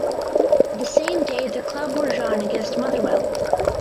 The same day the club were drawn against Motherwell.